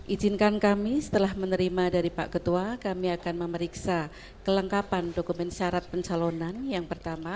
izinkan kami setelah menerima dari pak ketua kami akan memeriksa kelengkapan dokumen syarat pencalonan yang pertama